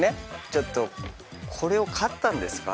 ちょっとこれを買ったんですか？